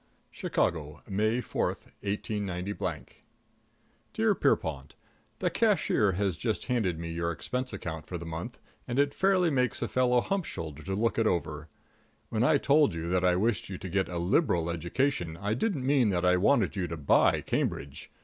|++ II CHICAGO, May 4, 189 Dear Pierrepont: The cashier has just handed me your expense account for the month, and it fairly makes a fellow hump shouldered to look it over. When I told you that I wished you to get a liberal education, I didn't mean that I wanted to buy Cambridge.